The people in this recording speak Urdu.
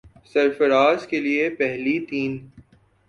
سرفراز کے لیے پہلی تین